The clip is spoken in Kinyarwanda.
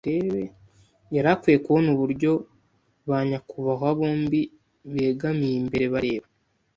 yari akwiye kubona uburyo ba nyakubahwa bombi begamiye imbere bareba,